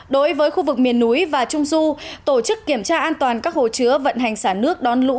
đối với khu vực miền núi và trung du tổ chức kiểm tra an toàn các hồ chứa vận hành xả nước đón lũ